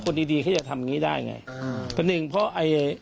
คนดีเขาจะทำแบบนี้ได้ยังไง